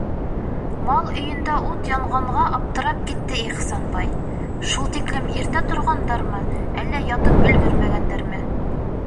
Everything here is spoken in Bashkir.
Мал өйөндә ут янғанға аптырап китте Ихсанбай: шул тиклем иртә торғандармы, әллә ятып өлгөрмәгәндәрме?